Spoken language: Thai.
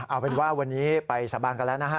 เอาเป็นว่าวันนี้ไปสาบานกันแล้วนะฮะ